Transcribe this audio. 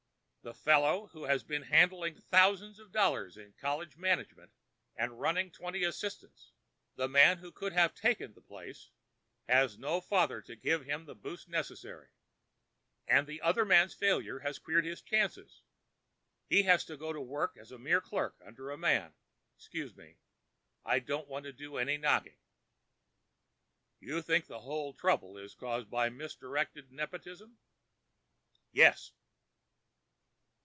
The fellow who has been handling thousands of dollars in college management and running twenty assistants—the man who could have taken the place—has no father to give him the boost necessary, and the other man's failure has queered his chances. He has to go to work as a mere clerk under a man—excuse me, I don't want to do any knocking." "You think the whole trouble is caused by misdirected nepotism." "Yes."